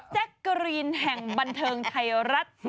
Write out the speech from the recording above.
แจ๊กกะรีนแห่งบันเทิงไทยรัฐ